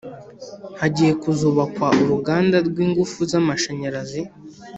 Hagiye kuzubakwa uruganda rw’ingufu z’amasharanyarazi